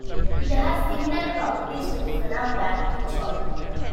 It has similar properties to phenobarbital.